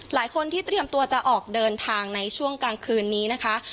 หลายคนที่เตรียมตัวจะออกเดินทางในช่วงกลางคืนนี้นะคะ